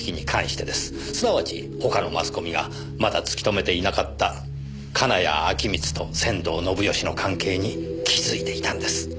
すなわち他のマスコミがまだ突き止めていなかった金谷陽充と仙道信義の関係に気づいていたんです。